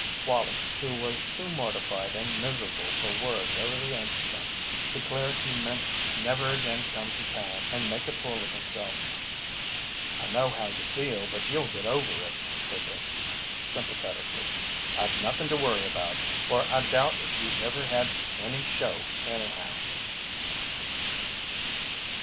Wallie, who was too mortified and miserable for words over the incident, declared he meant never again to come to town and make a fool of himself. "I know how you feel, but you'll git over it," said Pinkey, sympathetically. "It's nothin' to worry about, for I doubt if you ever had any show anyhow."